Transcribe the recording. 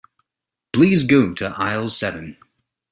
Please go to aisle seven.